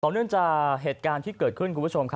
เนื่องจากเหตุการณ์ที่เกิดขึ้นคุณผู้ชมครับ